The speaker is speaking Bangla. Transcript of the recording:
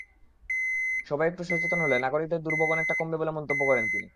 সবাই একটু সচেতন হলে নাগরিকদের দুর্ভোগ অনেকটা কমবে বলে মন্তব্য করেন তিনি।